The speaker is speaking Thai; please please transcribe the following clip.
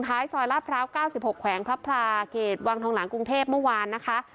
ท้ายซอยราบร้าวเก้าสิบหกแขวงพระพราเกตวังทองหลังกรุงเทพเมื่อวานนะคะ